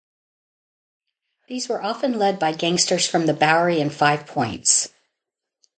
These were often led by gangsters from the Bowery and Five Points.